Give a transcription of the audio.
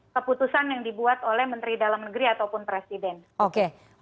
keputusan yang dibuat oleh menteri dalam negeri ataupun presiden